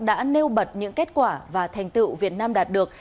đã nêu bật những kết quả và thành tựu việt nam đạt được